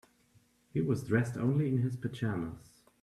He was dressed only in his pajamas.